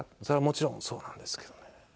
「それはもちろんそうなんですけどね」。